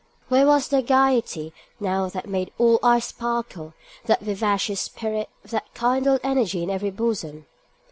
Where was that gaiety now that made all eyes sparkle, that vivacious spirit that kindled energy in every bosom?